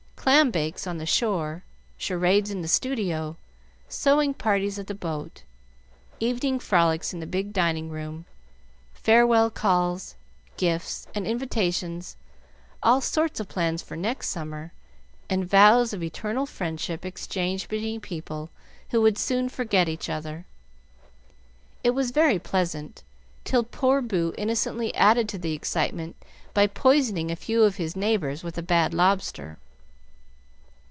Clambakes on the shore, charades in the studio, sewing parties at the boat, evening frolics in the big dining room, farewell calls, gifts, and invitations, all sorts of plans for next summer, and vows of eternal friendship exchanged between people who would soon forget each other. It was very pleasant, till poor Boo innocently added to the excitement by poisoning a few of his neighbors with a bad lobster.